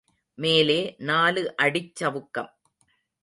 மேலே நாலு அடிச் சவுக்கம்.